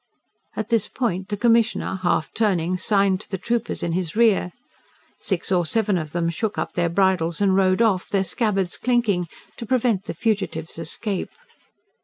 At this point the Commissioner, half turning, signed to the troopers in his rear. Six or seven of them shook up their bridles and rode off, their scabbards clinking, to prevent the fugitive's escape.